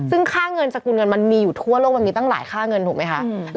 ซึ่งค่าเงินสกุลเงินมันมีอยู่ทั่วโลกมันมีตั้งหลายค่าเงินถูกไหมคะ